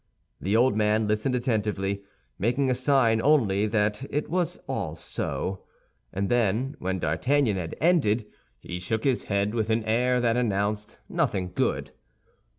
The old man listened attentively, making a sign only that it was all so; and then, when D'Artagnan had ended, he shook his head with an air that announced nothing good.